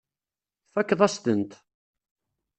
Tfakkeḍ-as-tent.